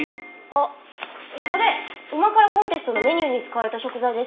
あっそれ旨辛コンテストのメニューに使われた食材ですよ。